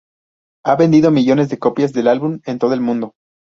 Ha vendido millones de copias del álbum en todo el mundo.